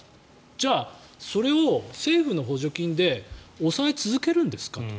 じゃあそれを政府の補助金で抑え続けるんですかと。